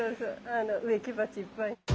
あの植木鉢いっぱい。